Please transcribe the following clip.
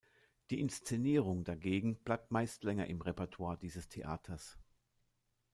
Die Inszenierung dagegen bleibt meist länger im Repertoire dieses Theaters.